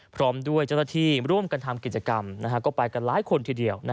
พร้อมด้วยเจ้าหน้าที่ร่วมกันทำกิจกรรมก็ไปกันหลายคนทีเดียว